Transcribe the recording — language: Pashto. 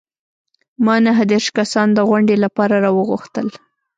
ما نهه دیرش کسان د غونډې لپاره راوغوښتل.